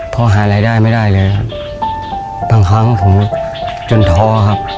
พ่อหาอะไรได้ไม่ได้เลยน่ะบางครั้งผมจนทอครับ